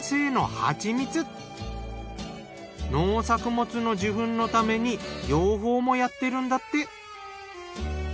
農作物の受粉のために養蜂もやってるんだって。